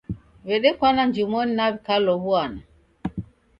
W'edekwana njumonyi na w'ikalow'uana.